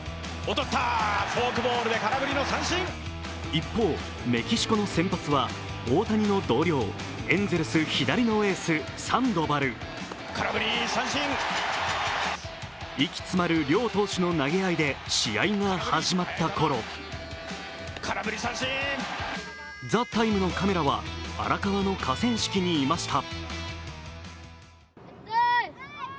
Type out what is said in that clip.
一方、メキシコの先発は大谷の同僚、エンゼルス左のエース・サンドバル息詰まる両投手の投げ合いで試合が始まったころ、「ＴＨＥＴＩＭＥ，」のカメラは荒川の河川敷にいました。